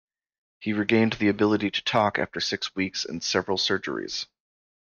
He regained the ability to talk after six weeks and several surgeries.